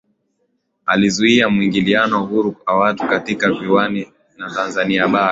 Alizuia mwingiliano huru wa watu kati ya Visiwani na Tanzania Bara